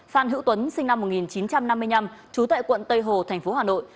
phan hữu tuấn sinh năm một nghìn chín trăm năm mươi năm trú tại quận tây hồ thành phố hà nội